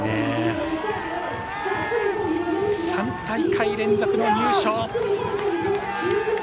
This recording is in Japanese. ３大会連続の入賞。